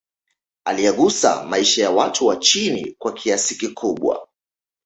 Aliyagusa maisha ya watu wa chini kwa kiasi kikubwa